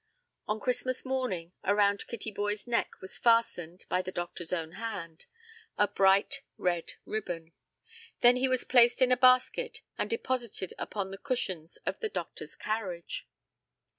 On Christmas morning around Kittyboy's neck was fastened, by the doctor's own hand, a bright red ribbon. Then he was placed in a basket and deposited upon the cushions of the doctor's carriage.